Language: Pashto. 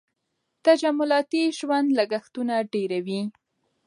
تجملاتي ژوند لګښتونه ډېروي.